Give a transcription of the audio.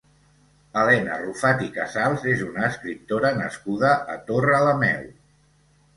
Helena Rufat i Casals és una escriptora nascuda a Torrelameu.